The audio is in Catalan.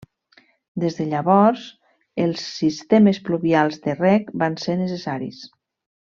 Des de llavors els sistemes pluvials de reg van ser necessaris.